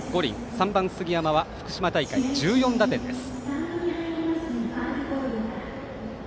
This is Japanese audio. ３番、杉山は福島大会１４打点です。